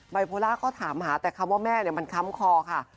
บาร์โปรลาข้อถามหาแต่คำว่าแม่มันค้ำค้อค่ะ